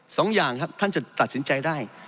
สองอย่างครับท่านจะตัดสินใจได้